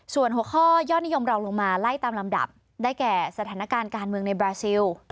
ส่วนหัวข้อยอดนิยมเราลงมาไล่ตามลำดับได้แก่สถานการณ์การเมืองในบราซิล